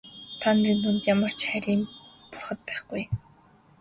Та нарын дунд ямар ч харийн бурхад байхгүй.